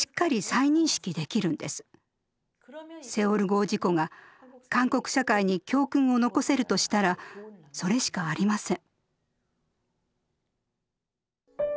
セウォル号事故が韓国社会に教訓を残せるとしたらそれしかありません。